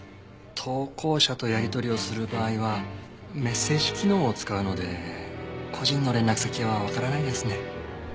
投稿者とやり取りをする場合はメッセージ機能を使うので個人の連絡先はわからないですね。